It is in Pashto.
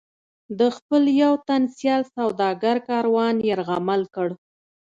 د خپل یو تن سیال سوداګریز کاروان یرغمل کړ.